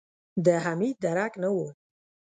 د حميد درک نه و.